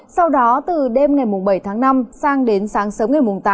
sau đó từ đêm ngày bảy tháng năm sang đến sáng sớm ngày mùng tám